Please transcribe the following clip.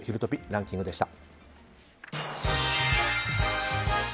ランキングでした。